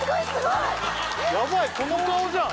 やばいこの顔じゃん